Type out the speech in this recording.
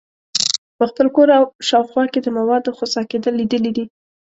په خپل کور او شاوخوا کې د موادو خسا کیدل لیدلي دي.